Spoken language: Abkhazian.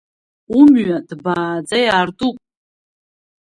Умҩа ҭбааӡа иаартуп.